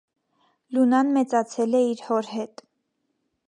Լունան մեծացել է իր հոր հետ։